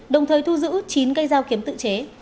đồng thời thu giữ chín cây dao kiếm tự chế